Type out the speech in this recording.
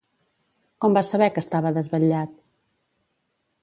Com va saber que estava desvetllat?